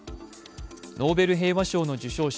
ノーベル平和賞の受賞者